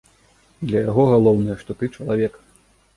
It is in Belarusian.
Для яго галоўнае, што ты чалавек.